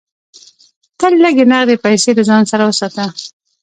تل لږ نغدې پیسې له ځان سره وساته.